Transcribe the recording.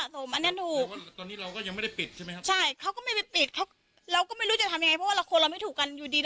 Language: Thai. แต่ว่าคนใช้